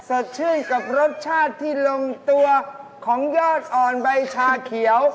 สดชื่นกับรสชาติที่ลงตัวของยอดอ่อนใบชาเขียว